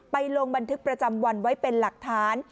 ลงบันทึกประจำวันไว้เป็นหลักฐาน